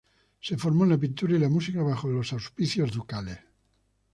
Se formó en la pintura y la música bajo los auspicios ducales.